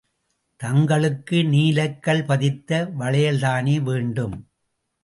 தங்களுக்கு நீலக்கல் பதித்த வளையல்தானே வேண்டும்?